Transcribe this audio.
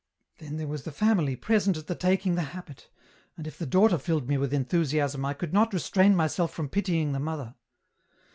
" Then there was the family present at the taking the habit, and if the daughter filled me with enthusiasm I could not restrain myself from pitying the mother.